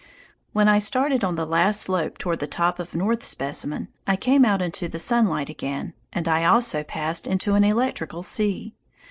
When I started on the last slope toward the top of North Specimen, I came out into the sunlight again, and I also passed into an electrical sea.